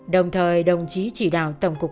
đồng thời đồng chí chỉ đạo tổng cục